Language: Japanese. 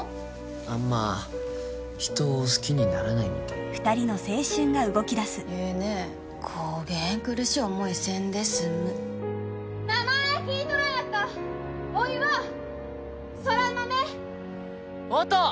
あんま人を好きにならないみたい２人の青春が動きだすええねこげん苦しい思いせんで済む名前聞いとらんやったおいは空豆音！